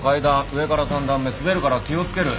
上から３段目滑るから気を付ける。